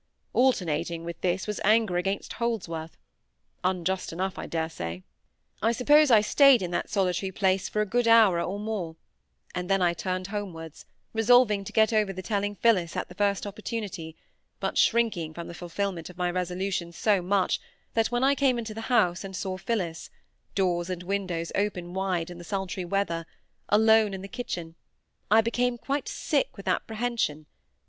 Alternating with this was anger against Holdsworth; unjust enough, I dare say. I suppose I stayed in that solitary place for a good hour or more, and then I turned homewards, resolving to get over the telling Phillis at the first opportunity, but shrinking from the fulfilment of my resolution so much that when I came into the house and saw Phillis (doors and windows open wide in the sultry weather) alone in the kitchen, I became quite sick with apprehension.